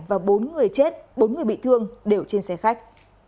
và bốn người chết bốn người bị thương đều trên xe khách